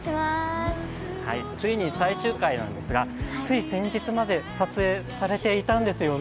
ついに最終回なんですがつい先日まで撮影されていたんですよね？